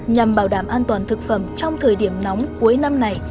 nhằm bảo đảm an toàn thực phẩm trong thời điểm nóng cuối năm này